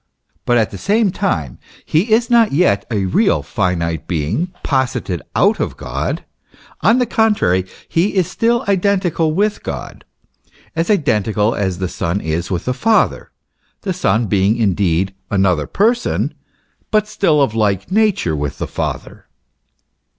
"* But at the same time, he is not yet a real finite Being, posited out of God ; on the contrary, he is still identical with God, as identical as the son is with the father, the son being indeed another person, but still of like nature with the father.